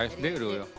sd dulu ya